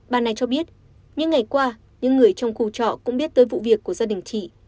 bà này cho biết những ngày qua những người trong khu trọ cũng biết tới vụ việc của gia đình chị